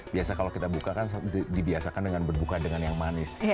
biasa kalau kita buka kan dibiasakan dengan berbuka dengan yang manis